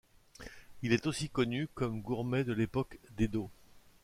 Il est aussi connu comme gourmet de l'époque d'Edo.